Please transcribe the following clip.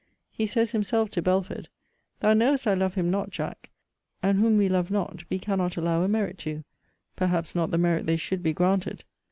He says himself to Belford,* 'Thou knowest I love him not, Jack; and whom we love not, we cannot allow a merit to; perhaps not the merit they should be granted.'